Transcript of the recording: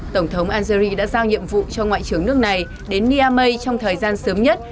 tổng thống algeria đã giao nhiệm vụ cho ngoại trưởng nước này đến niamey trong thời gian sớm nhất